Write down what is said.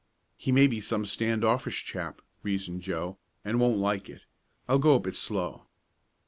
"He may be some stand offish chap," reasoned Joe, "and won't like it. I'll go a bit slow."